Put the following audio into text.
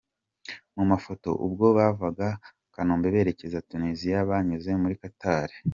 Mu mafoto: Ubwo bavaga Kanombe berekeza Tunisia banyuze muri Qatar.